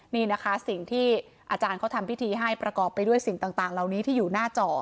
นี่นะคะสิ่งที่อาจารย์เขาทำพิธีให้ประกอบไปด้วยสิ่งต่างเหล่านี้ที่อยู่หน้าจอ